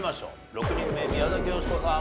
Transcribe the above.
６人目宮崎美子さん